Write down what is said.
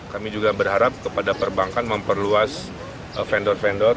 kami juga berharap kepada perbankan memperluas vendor vendor